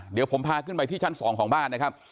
เดี๋ยวผมพาขึ้นไปที่ชั้น๒ของบ้านนะครับ